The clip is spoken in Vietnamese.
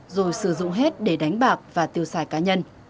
rồi sử dụng hết để đánh bạc và tiêu xài cá nhân